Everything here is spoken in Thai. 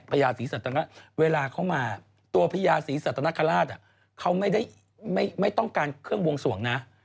ญาศรีสัตนราชเวลาเขามาตัวพญาศรีสัตนคราชเขาไม่ต้องการเครื่องบวงสวงนะ